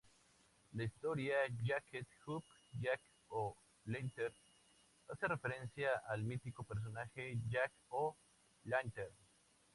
La historia "Jacked-Up Jack-o-Lantern", hace referencia al mítico personaje, Jack-o'-lantern.